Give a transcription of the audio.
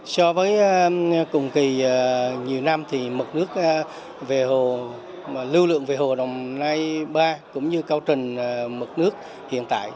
so với cùng kỳ nhiều năm thì mực nước về hồ lưu lượng về hồ đồng nai ba cũng như cao trình mực nước hiện tại